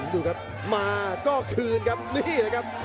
ดูครับมาก็คืนครับนี่แหละครับ